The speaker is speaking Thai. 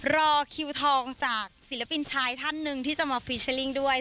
รอคิวทองจากศิลปินชายท่านหนึ่งที่จะมาฟีเจอร์ลิ่งด้วย